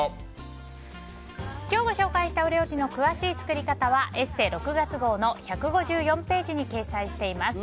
今日ご紹介したお料理の詳しい作り方は「ＥＳＳＥ」６月号の１５４ページに掲載しています。